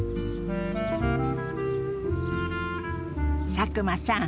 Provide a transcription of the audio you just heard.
佐久間さん